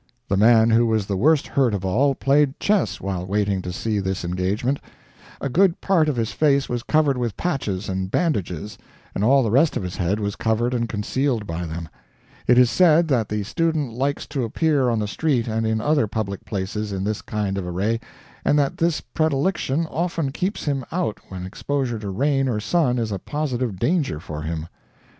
The man who was the worst hurt of all played chess while waiting to see this engagement. A good part of his face was covered with patches and bandages, and all the rest of his head was covered and concealed by them. It is said that the student likes to appear on the street and in other public places in this kind of array, and that this predilection often keeps him out when exposure to rain or sun is a positive danger for him.